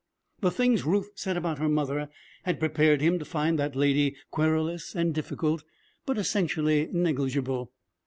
The things Ruth said about her mother had prepared him to find that lady querulous and difficult, but essentially negligible.